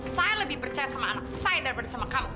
saya lebih percaya sama anak saya daripada sama kamu